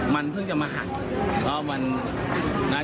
เมื่อเมื่อเมื่อ